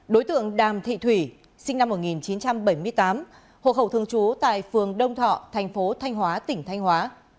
đối tượng đàm thị thủy sinh năm một nghìn chín trăm bảy mươi tám hộ khẩu thường trú tại phường đông thọ thành phố thanh hóa tỉnh thanh hóa